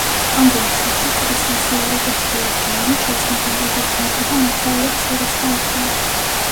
ამ ვერსიაში კრისი, ისევე როგორც დეივ გეენი, ჩაცმულია როგორც მეფე და მოგზაურობს სხვადასხვა ადგილას.